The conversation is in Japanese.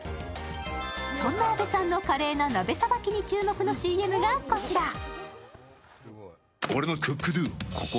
そんな阿部さんの華麗な鍋さばきに注目のＣＭがこちら。